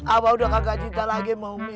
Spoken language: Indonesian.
abah udah kagak cinta lagi sama ummi